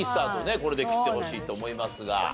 これで切ってほしいと思いますが。